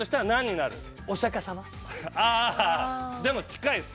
あぁでも近いです